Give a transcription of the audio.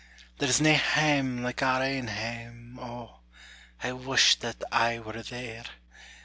There's nae hame like our ain hame O, I wush that I were there!